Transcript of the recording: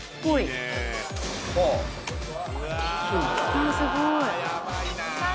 わすごい。